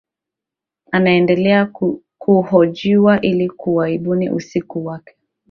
anaendelea kuhojiwa ili kubaini uhusika wake